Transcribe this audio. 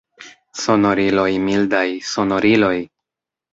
Sonoriloj mildaj, sonoriloj!